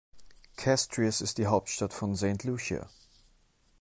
Castries ist die Hauptstadt von St. Lucia.